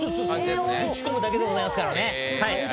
ぶち込むだけでございますからね。